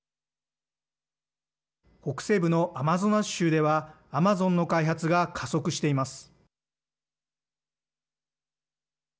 北西部のアマゾナス州ではアマゾンの開発が加速しています。